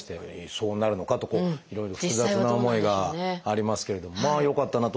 そうなるのかとこう複雑な思いがありますけれどもまあよかったなと思いますね。